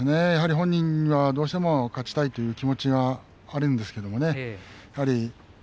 本人にはどうしても勝ちたいという気持ちがあるんですけれどもね。